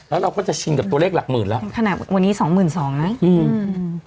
แล้วเราก็จะชินกับตัวเลขหลักหมื่นแล้วขนาดวันนี้สองหมื่นสองนะอืม